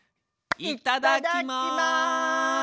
いただきます！